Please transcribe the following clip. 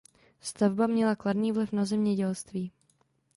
Stavba měla kladný vliv na zemědělství.